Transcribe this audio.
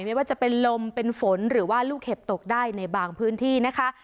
ไม่ว่าจะเป็นลมเป็นฝนหรือว่าลูกเห็บตกได้ในบางพื้นที่นะคะ